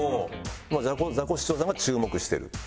ザコシショウさんが注目してる。